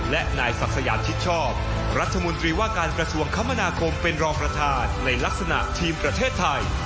และนายศักดิ์สยามชิดชอบรัฐมนตรีว่าการกระทรวงคมนาคมเป็นรองประธานในลักษณะทีมประเทศไทย